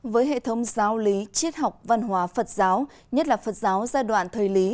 với hệ thống giáo lý triết học văn hóa phật giáo nhất là phật giáo giai đoạn thời lý